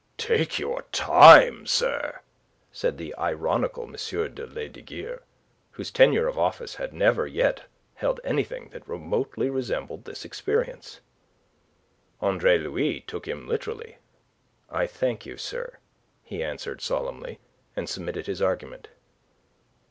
"Take your own time, sir!" said the ironical M. de Lesdiguieres, whose tenure of office had never yet held anything that remotely resembled this experience. Andre Louis took him literally. "I thank you, sir," he answered, solemnly, and submitted his argument.